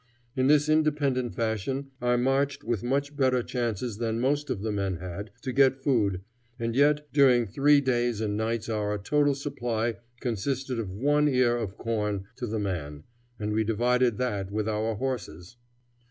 In this independent fashion I marched with much better chances than most of the men had, to get food, and yet during three days and nights our total supply consisted of one ear of corn to the man, and we divided that with our horses.